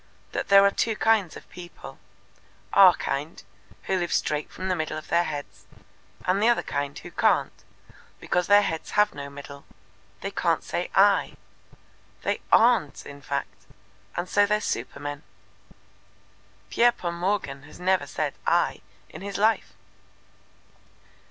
That there are two kinds of people our kind, who live straight from the middle of their heads, and the other kind who can't, because their heads have no middle? They can't say 'I.' They AREN'T in fact, and so they're supermen. Pierpont Morgan has never said 'I' in his life."